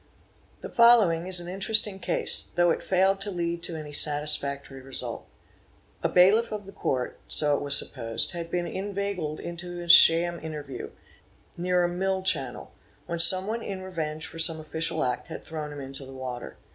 The following is an interesting case, though it failed to lead to any Satisfactory result. A bailiff of the Court, so it was supposed, had 2 been inveigled into a sham interview—near a mill channel, when some : one in revenge for some official act had thrown him into the water.